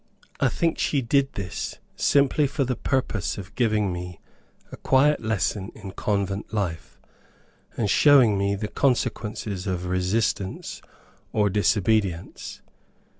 I think she did this simply for the purpose of giving me a quiet lesson in convent life, and showing me the consequences of resistance or disobedience.